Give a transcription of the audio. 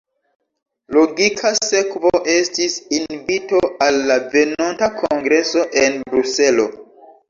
Logika sekvo estis invito al la venonta kongreso en Bruselo.